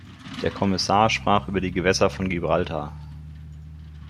Der Kommissar sprach über die Gewässer von Gibraltar.